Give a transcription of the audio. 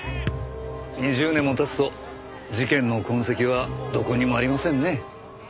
２０年も経つと事件の痕跡はどこにもありませんね。